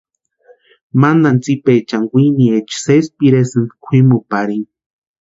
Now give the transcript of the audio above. Mantani tsipaechani kwiniecha sési piresïnti kwʼimuparini.